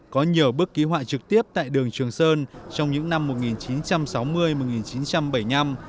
có nhiều bức ký họa trực tiếp tại đường trường sơn trong những năm một nghìn chín trăm sáu mươi một nghìn chín trăm bảy mươi năm